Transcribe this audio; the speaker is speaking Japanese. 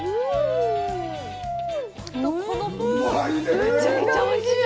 めちゃめちゃおいしい。